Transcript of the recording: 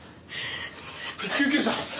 救急車！